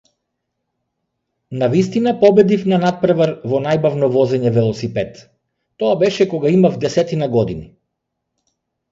Навистина победив на натпревар во најбавно возење велосипед, тоа беше кога имав десетина години.